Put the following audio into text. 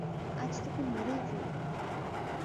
আজ তোকে মেরেই ফেলব!